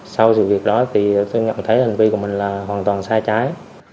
sau sự việc đó thì tôi nhận thấy hành vi của mình là hoàn toàn sai trái